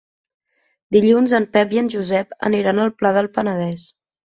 Dilluns en Pep i en Josep aniran al Pla del Penedès.